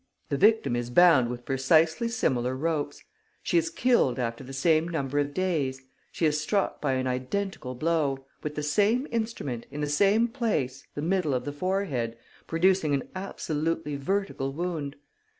The victim is bound with precisely similar ropes. She is killed after the same number of days. She is struck by an identical blow, with the same instrument, in the same place, the middle of the forehead, producing an absolutely vertical wound.